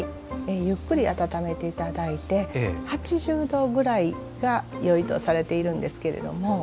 ゆっくり温めて頂いて８０度ぐらいがよいとされているんですけれども。